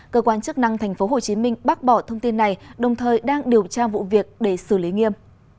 cơ quan chức năng tp hcm bác bỏ thông tin này đồng thời đang điều tra vụ việc để xử lý nghiêm